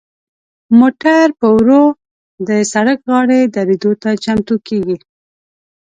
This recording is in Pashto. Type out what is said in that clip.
موټر په ورو د سړک غاړې دریدو ته چمتو کیږي.